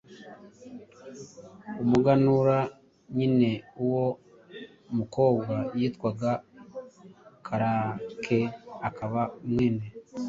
wumuganura nyine. Uwo mukobwa yitwaga Karake akaba mwene